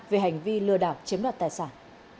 về hành vi lừa đảo chiếm đoạt tài sản